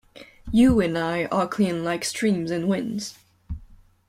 You and I are clean like streams and winds.